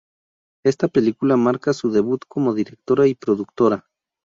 Esta película marca su debut como directora y productora.